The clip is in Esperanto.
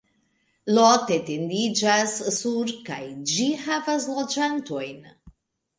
Lot etendiĝas sur kaj ĝi havas loĝantojn.